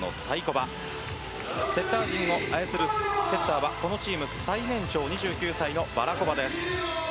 アタッカー陣を操るセッターはこのチーム最年長２９歳のバラコバです。